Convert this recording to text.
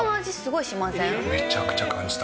めちゃくちゃ感じた。